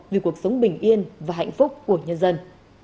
vì cuộc sống bình yên và hạnh phúc của nhân dân